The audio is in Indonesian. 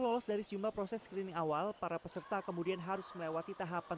lolos dari jumlah proses screening awal para peserta kemudian harus melewati tahapan